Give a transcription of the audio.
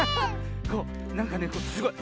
こうなんかねすごい